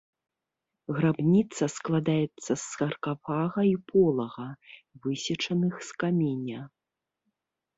Грабніца складаецца з саркафага і полага, высечаных з каменя.